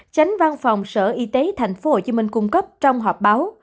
tránh văn phòng sở y tế tp hcm cung cấp trong họp báo